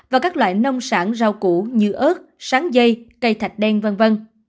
và các loại nông sản rau củ như ớt sáng dây cây thạch đen v v